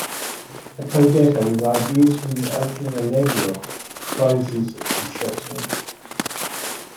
A codetta, with ideas from the opening allegro, closes the section.